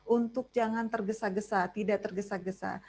untuk jangan tergesa gesa tidak tergesa gesa